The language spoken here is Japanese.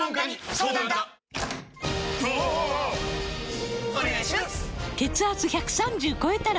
お願いします！！！